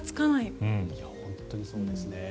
本当にそうですね。